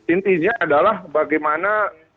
intinya adalah bagaimana